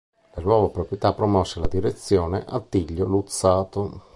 La nuova proprietà promosse alla direzione Attilio Luzzatto.